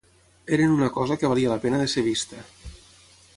Eren una cosa que valia la pena de ser vista